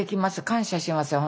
感謝しますよ